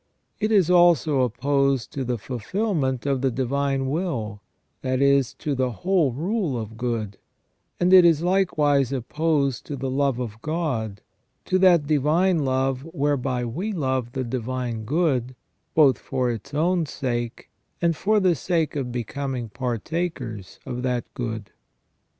It is also opposed to the fulfilment of the divine will, that is, to the whole rule of good ; and it is likewise opposed to the love of God, to that divine love whereby we love the divine good, both for its own sake, and for the sake of becoming partakers of that good.